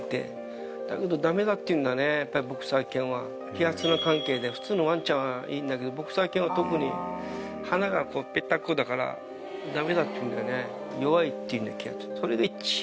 気圧の関係で普通のワンちゃんはいいんだけどボクサー犬は特に鼻がぺったんこだから駄目だっていうんだよね弱いっていうんだよ気圧。